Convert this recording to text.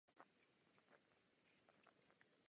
Osídlení oblasti obce se datuje již do mladší doby kamenné.